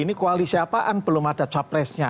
ini koalisi apaan belum ada capresnya